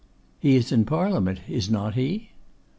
'He is in Parliament, is not he?